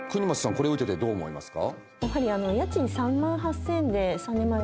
これを受けてどう思いますか？